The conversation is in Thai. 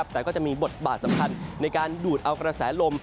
แต่ก็จะมีบทบาทสำคัญในการดูดเอากระแสลม